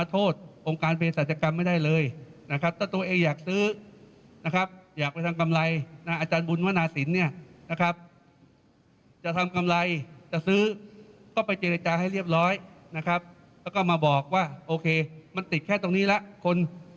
ต้องเจรจาให้เรียบร้อยแล้วก็มาบอกว่าโอเคมันติดแค่ตรงนี้แล้ว